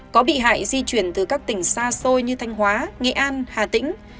có bị hại di chuyển từ các tỉnh xa xôi như thanh hóa nghệ an hà tĩnh